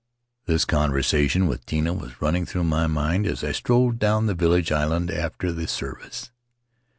"' This conversation with Tino was running through my mind as I strolled down the village island after the service.